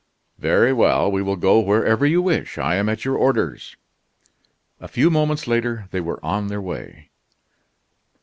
"Very well, we will go wherever you wish; I am at your orders." A few moments later they were on their way.